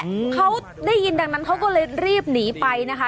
อืมเขาได้ยินดังนั้นเขาก็เลยรีบหนีไปนะคะ